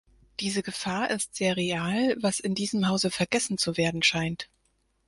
Diese Gefahr ist sehr real, was in diesem Hause vergessen zu werden scheint.